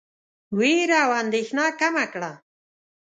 وېره او اندېښنه کمه کړه.